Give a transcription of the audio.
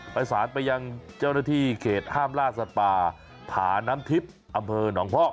ประสานไปยังเจ้าหน้าที่เขตห้ามล่าสัตว์ป่าผาน้ำทิพย์อำเภอหนองเพาะ